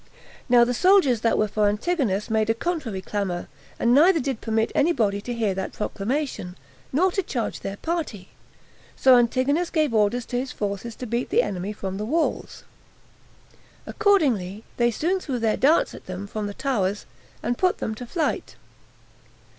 Now the soldiers that were for Antigonus made a contrary clamor, and did neither permit any body to hear that proclamation, nor to change their party; so Antigonus gave order to his forces to beat the enemy from the walls; accordingly, they soon threw their darts at them from the towers, and put them to flight.